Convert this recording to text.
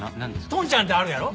トンチャンってあるやろ？